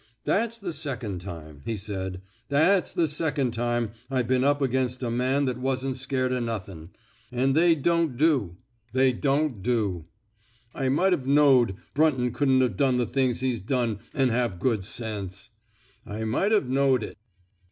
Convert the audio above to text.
That's the second time," he said. That's the second time I been up against a man that wasn't scared of nuthin'. An' they don't do — they 146 IN THE NATURE OF A HERO don't do. ... I might Ve knowed Brunton couldn't 've done the things he's done an' have good sense. I might 've knowed it.